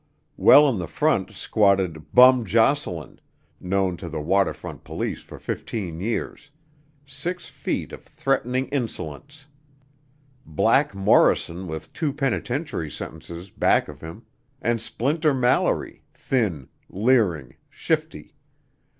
Well in the front squatted "Bum" Jocelin, known to the water front police for fifteen years, six feet of threatening insolence; "Black" Morrison with two penitentiary sentences back of him; and "Splinter" Mallory, thin, leering, shifty.